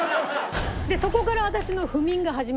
でそこから私の不眠が始まり。